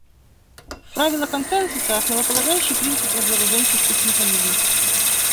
Правило консенсуса − основополагающий принцип разоруженческих механизмов.